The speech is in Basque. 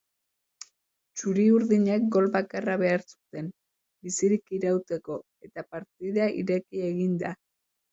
Txuri-urdinek gol bakarra behar zuten bizirik irauteko eta partida ireki egin da.